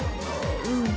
うん。